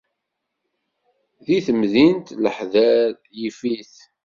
Di temdint leḥder yif-it.